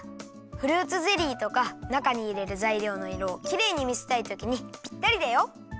フルーツゼリーとかなかにいれるざいりょうのいろをきれいにみせたいときにぴったりだよ。